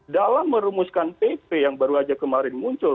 dalam merumuskan pp yang baru aja kemarin muncul